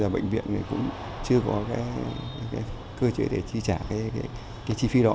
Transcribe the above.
bệnh viện cũng chưa có cơ chế để chi trả cái chi phí đó